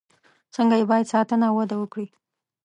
څنګه یې باید ساتنه او وده وکړي.